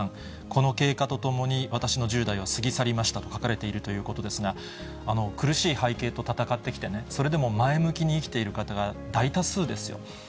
この経過とともに、私の１０代は過ぎ去りましたと書かれているということですが、苦しい背景と戦ってきてね、それでも前向きに生きている方が大多数ですよ。